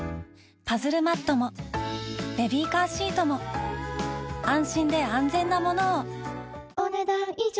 パズルマットもベビーカーシートも安心で安全なものをお、ねだん以上。